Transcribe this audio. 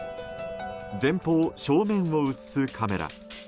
前方、正面を映すカメラ。